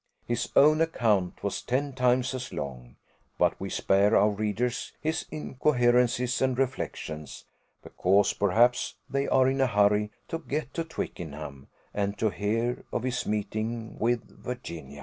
His own account was ten times as long; but we spare our readers his incoherences and reflections, because, perhaps, they are in a hurry to get to Twickenham, and to hear of his meeting with Virginia.